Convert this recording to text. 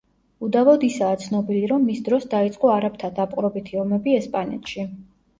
უდავოდ ისაა ცნობილი, რომ მის დროს დაიწყო არაბთა დაპყრობითი ომები ესპანეთში.